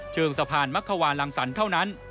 เชิงสะพานมักขวาลังสรรค์เท่านั้น